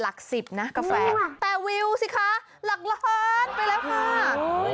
หลักสิบนะกาแฟแต่วิวสิคะหลักล้านไปแล้วค่ะ